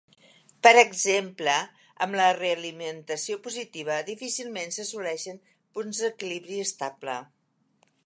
Per exemple amb la realimentació positiva, difícilment s'assoleixen punts d'equilibri estable.